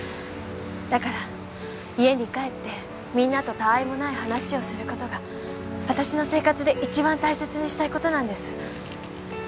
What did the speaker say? だから家に帰ってみんなと他愛もない話をする事が私の生活で一番大切にしたい事なんです。